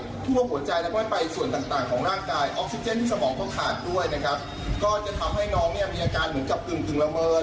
ก็จะทำให้น้องมีอาการเหมือนกับกลึงละเมิด